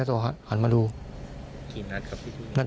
เข้าตรงไหนครับ